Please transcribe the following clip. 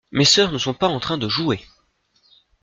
Mes sœurs ne sont pas en train de jouer.